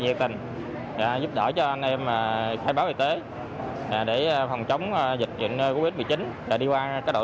nhiệt tình giúp đỡ cho anh em khai báo y tế để phòng chống dịch dịch covid một mươi chín và đi qua cái đội